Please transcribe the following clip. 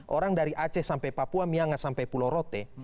orang dari aceh sampai papua miangas sampai pulau rote